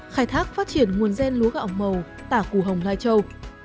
khai thác phát triển nguồn gen lúa gạo màu tả củ hồng lai châu